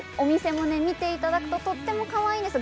これを見ていただくととてもかわいいです。